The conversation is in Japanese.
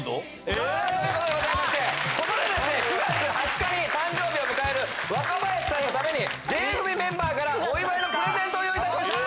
９月２０日に誕生日を迎える若林さんのためにＪ組メンバーからお祝いのプレゼントを用意いたしました！